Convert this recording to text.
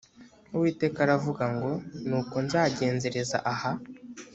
uwiteka aravuga ngo ni ko nzagenzereza aha